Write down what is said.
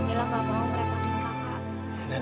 mila gak mau ngerepotin kakak